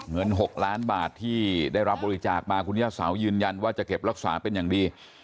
เงิน๖ล้านบาทที่ได้รับบริจาคมาคุณย่าสาวยืนยันว่าจะเก็บรักษาเป็นอย่างดี